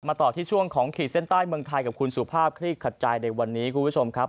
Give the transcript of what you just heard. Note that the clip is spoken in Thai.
ต่อที่ช่วงของขีดเส้นใต้เมืองไทยกับคุณสุภาพคลี่ขัดใจในวันนี้คุณผู้ชมครับ